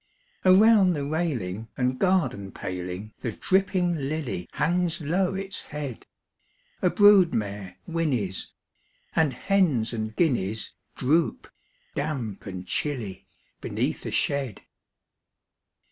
Around the railing and garden paling The dripping lily hangs low its head: A brood mare whinnies; and hens and guineas Droop, damp and chilly, beneath the shed.